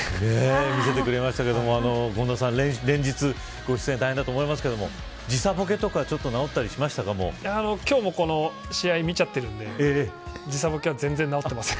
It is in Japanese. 見せてくれましたが、権田さん連日、ご出演大変だと思いますが時差ぼけとか今日もこの試合を見ちゃってるんで時差ぼけは全然、治ってません。